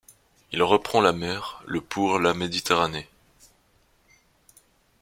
Il reprend la mer le pour la Méditerranée.